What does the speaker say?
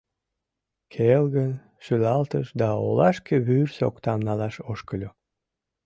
Келгын шӱлалтыш да олашке вӱр соктам налаш ошкыльо.